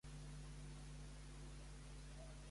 De quina manera va participar-hi la filla d'Isabel-Clara?